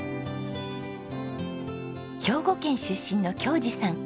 兵庫県出身の恭嗣さん。